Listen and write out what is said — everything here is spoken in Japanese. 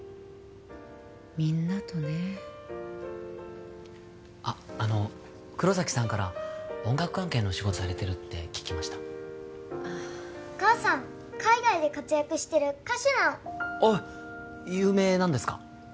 みんなとねあの黒崎さんから音楽関係のお仕事されてるって聞きましたああお母さん海外で活躍してる歌手なのあっ有名なんですか？